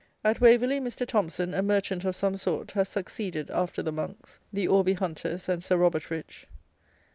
At Waverley, Mr. Thompson, a merchant of some sort, has succeeded (after the monks) the Orby Hunters and Sir Robert Rich.